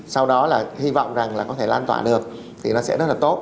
sau đó là hy vọng rằng là có thể lan tỏa được thì nó sẽ rất là tốt